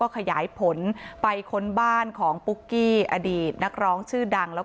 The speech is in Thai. ขยายผลไปค้นบ้านของปุ๊กกี้อดีตนักร้องชื่อดังแล้วก็